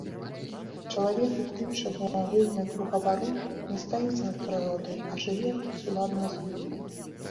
Чалавек уключаны ў агульны кругаварот, не стаіць над прыродай, а жыве суладна з ёю.